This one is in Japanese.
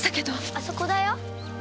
あそこだよ。